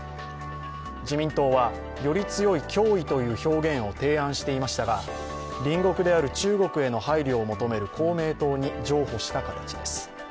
自民党はより強い脅威という表現を提案していましたが隣国である中国への配慮を求める公明党に譲歩した形です。